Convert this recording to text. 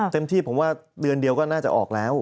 เต็มที่ผมว่าเดือนเดียวก็น่าจะออกแล้ว